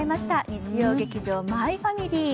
日曜劇場「マイファミリー」。